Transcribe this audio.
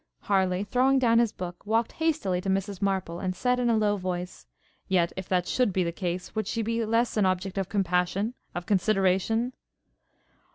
Harleigh, throwing down his book, walked hastily to Mrs Maple, and said, in a low voice, 'Yet, if that should be the case, would she be less an object of compassion? of consideration?'